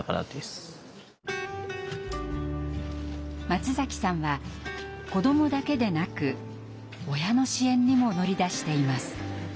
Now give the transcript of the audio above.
松崎さんは子どもだけでなく親の支援にも乗り出しています。